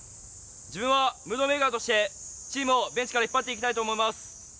自分は、ムードメーカーとしてチームをベンチから引っ張っていきたいと思います。